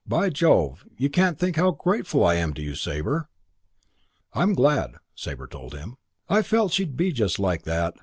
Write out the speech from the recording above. By Jove, you can't think how grateful I am to you, Sabre." "I am glad," Sabre told him. "I felt she'd be just like that.